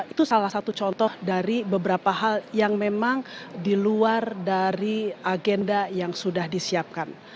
itu salah satu contoh dari beberapa hal yang memang di luar dari agenda yang sudah disiapkan